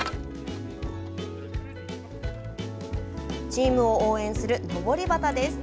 チームを応援するのぼり旗です。